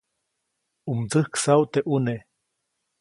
ʼU mtsäjksaʼu teʼ ʼuneʼ.